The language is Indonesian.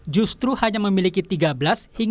justru hanya memiliki tiga belas